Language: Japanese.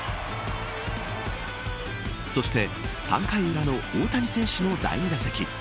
そして３回裏の大谷選手の第２打席。